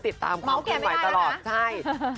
ติดตามคุณไว้ตลอดใช่แม้ว่าเกลียดไม่ได้แล้วนะ